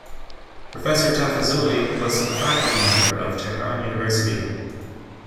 Professor Tafazzoli was a faculty member of Tehran University.